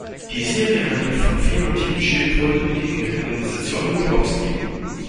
Die Serie handelt von vier mutierten Schildkröten, die in der Kanalisation New Yorks leben.